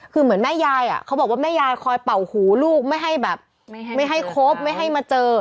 คือเหมือนแม่ยายเขาบอกว่าแม่ยายคอยเป่าหูลูกไม่ให้แบบไม่ให้ครบไม่ให้มาเจอ